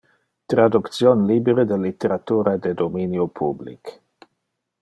Traduction libere de litteratura de dominio public.